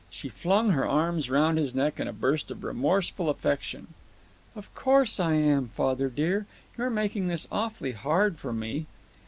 She flung her arms round his neck in a burst of remorseful affection. "Of course I am, father dear. You're making this awfully hard for me."